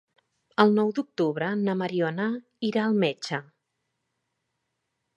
El nou d'octubre na Mariona irà al metge.